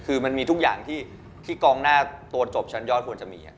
คือมันมีทุกอย่างที่กองหน้าตัวจบชั้นยอดควรจะมี